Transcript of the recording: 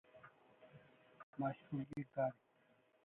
Mashkulgi karik